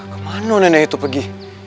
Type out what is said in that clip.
kemana nenek itu pergi